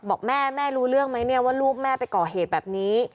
บอกแม่แม่รู้เรื่องไหมเนี่ยว่าลูกแม่ไปก่อเหตุแบบนี้